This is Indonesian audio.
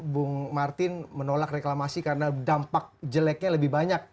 bung martin menolak reklamasi karena dampak jeleknya lebih banyak